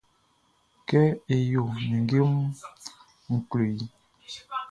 Kɛ e yo ninnge munʼn, n klo i.